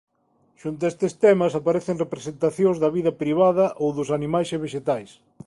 Xunto a estes temas aparecen representacións da vida privada ou dos animais e vexetais.